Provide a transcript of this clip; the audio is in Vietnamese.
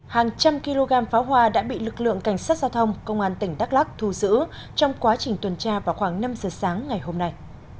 hàng trăm kg pháo hoa đã bị lực lượng cảnh sát giao thông công an tỉnh đắk lắc thu giữ trong quá trình tuần tra vào khoảng năm giờ sáng ngày hôm nay